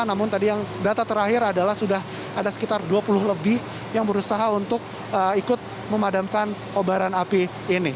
namun tadi yang data terakhir adalah sudah ada sekitar dua puluh lebih yang berusaha untuk ikut memadamkan obaran api ini